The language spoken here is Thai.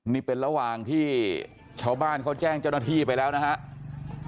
นี่เป็นระหว่างที่ชาวบ้านเขาแจ้งเจ้าหน้าที่ไปแล้วนะครับ